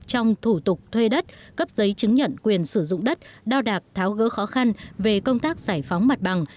trong thủ tục thuê đất cấp giấy chứng nhận quyền sử dụng đất đap tháo gỡ khó khăn về công tác giải phóng mặt bằng